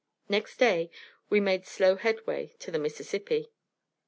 Next day we made slow headway to the Mississippi.